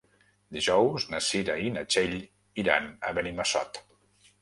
Dijous na Cira i na Txell iran a Benimassot.